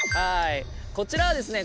こちらはですね